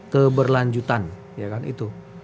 keberlanjutan ya kan itu